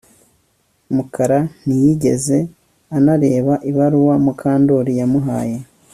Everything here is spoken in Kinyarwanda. Mukara ntiyigeze anareba ibaruwa Mukandoli yamuhaye